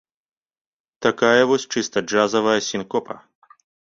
Такая вось чыста джазавая сінкопа.